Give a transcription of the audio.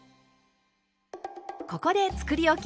ここでつくりおき